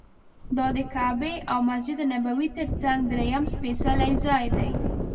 دا د کعبې او مسجد نبوي تر څنګ درېیم سپېڅلی ځای دی.